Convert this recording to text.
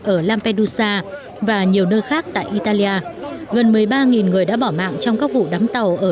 ở lampedusa và nhiều nơi khác tại italia gần một mươi ba người đã bỏ mạng trong các vụ đám tàu ở